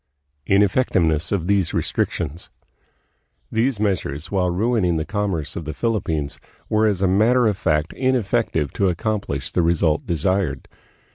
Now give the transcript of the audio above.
Ineffectiveness of These Restrictions. These meas ures, while ruining the commerce of the Philippines, were as a matter of fact ineffective to accomplish the result desired.